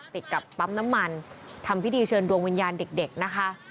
ติดกับปั๊มน้ำมันทำพิธีเชิญดวงวิญญาณเด็กนะคะ